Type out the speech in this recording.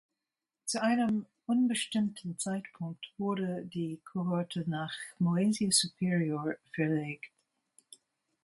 Zu einem unbestimmten Zeitpunkt wurde die Kohorte nach "Moesia superior" verlegt.